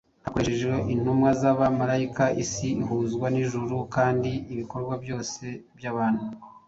Hakoreshejwe intumwa z’abamalayika, isi ihuzwa n’ijuru kandi ibikorwa byose by’abantu,